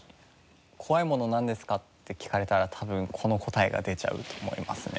怖いものなんですかって聞かれたら多分この答えが出ちゃうと思いますね。